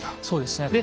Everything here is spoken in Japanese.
そうですね。